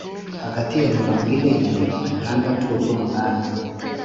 Hagati ya mirongwine na mirongo itandatu n umunani